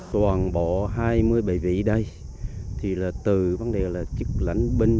toàn bộ hai mươi bảy vị đây thì là từ vấn đề là chức lãnh binh